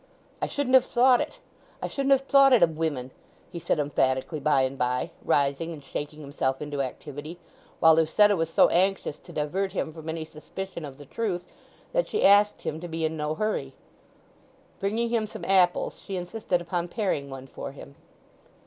"I shouldn't have thought it—I shouldn't have thought it of women!" he said emphatically by and by, rising and shaking himself into activity; while Lucetta was so anxious to divert him from any suspicion of the truth that she asked him to be in no hurry. Bringing him some apples she insisted upon paring one for him.